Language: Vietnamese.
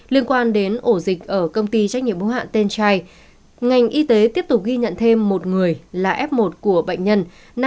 liên quan đến ổ dịch ở công ty trách nhiệm bố hạn tenchai ngành y tế tiếp tục ghi nhận thêm một người là f một của bệnh nhân